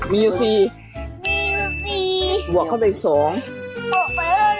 มีอยู่๔มีอยู่๔บวกเข้าไปอีก๒บวกไปอีก๒